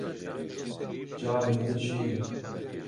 Çavên min şîn in.